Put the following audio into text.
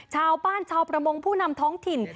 ชาวบ้านชาวประมงผู้นำท้องถิ่น